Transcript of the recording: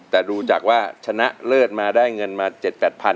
แต่ดูจากว่าชนะเลิศมาได้เงินมา๗๘พัน